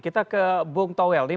kita ke bang toel nih